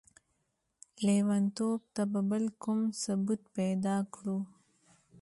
ليونتوب ته به بل کوم ثبوت پيدا کړو؟!